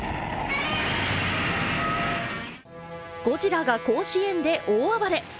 ゴジラが甲子園で大暴れ。